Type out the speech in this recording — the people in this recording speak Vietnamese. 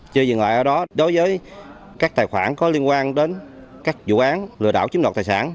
chưa dừng lại ở đó đối với các tài khoản có liên quan đến các vụ án lừa đảo chiếm đoạt tài sản